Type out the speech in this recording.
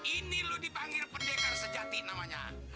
ini loh dipanggil pendekar sejati namanya